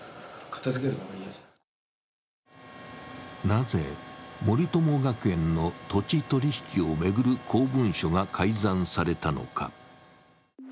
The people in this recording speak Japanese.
なぜ森友学園の土地取り引きを巡る公文書が改ざんされたのか。